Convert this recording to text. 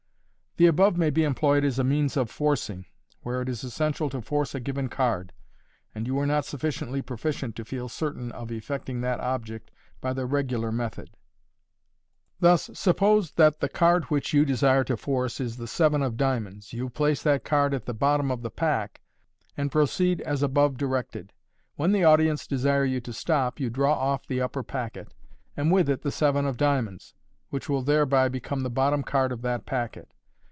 The above may be employed as a means of " forcing," where it is essential to force a given card, and you are not sufficiently proficient to feel certain of effecting chat object by the regular method. Thus, suppose that the card which you desire to force is the seven of diamonds, you place that card at the bottom of the pack, and proceed as above direct ed. When the audience desire you to stop, you drawoff the upper packet, and with it the seven of diamonds, which will thereby become the bot tom card of that packet.